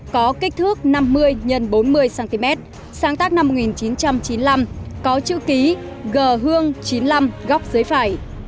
có kích thước năm mươi x bốn mươi cm sáng tác năm một nghìn chín trăm chín mươi năm có chữ ký g hương chín mươi năm góc dưới phải